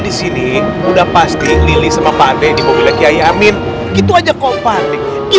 di sini udah pasti lili sama pak ade di mobilnya kiai amin gitu aja kok panik